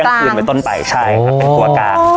ตั้งแต่เที่ยงคืนไปต้นไปใช่ครับเป็นครัวกา